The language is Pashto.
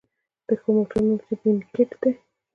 د ښه تومور نوم بېنیګنټ دی.